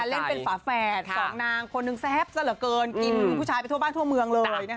อะมินพี่ชัย่านเล่นเป็นฝาแฝดสองนางคนนึงแซ่บสระเกินกินผู้ชายไปทั่วบ้านทั่วเมืองเลยนะคะ